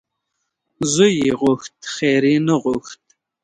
ـ زوی یې غوښت خیر یې نه غوښت .